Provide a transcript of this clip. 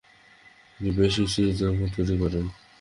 তিনি বেশ কিছু চিত্রকর্ম তৈরি করেন।